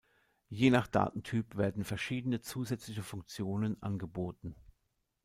Je nach Datentyp werden verschiedene zusätzliche Funktionen angeboten.